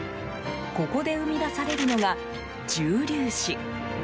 ここで生み出されるのが重粒子。